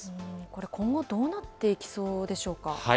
これ、今後どうなっていきそうでしょうか。